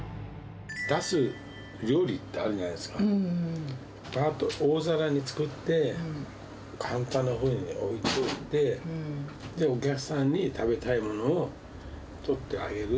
出す料理ってあるじゃないでうんうん。ばっと大皿に作って、カウンターの上に置いといて、お客さんに食べたいものを取ってあげる。